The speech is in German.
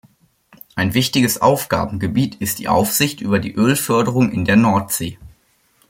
Ein wichtiges Aufgabengebiet ist die Aufsicht über die Ölförderung in der Nordsee.